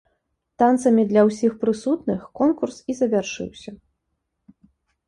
Танцамі для ўсіх прысутных конкурс і завяршыўся.